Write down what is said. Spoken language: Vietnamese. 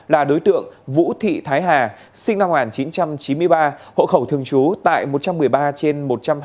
là đối tượng vũ thị thái hà sinh năm một nghìn chín trăm chín mươi ba hộ khẩu thường trú tại một trăm một mươi ba trên một trăm hai mươi